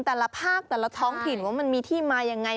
แต่ละภาคแต่ละท้องถิ่นว่ามันมีที่มายังไง